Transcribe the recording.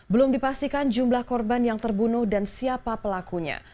belum dipastikan jumlah korban yang terbunuh dan siapa pelakunya